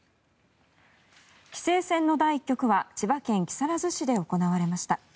棋聖戦の第１局は千葉県木更津市で行われました。